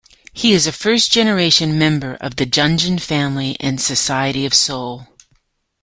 He is a first-generation member of the Dungeon Family & Society of Soul.